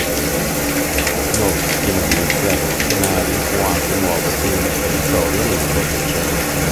Inoltre, prima di iniziare uno scenario, può anche muoversi in un territorio amico adiacente.